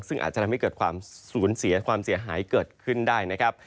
ซึ่งอาจจะทำให้เกิดความสูญเสียความเสียหายเกิดขึ้นได้นะครับ